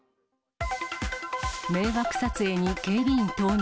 迷惑撮影に警備員投入。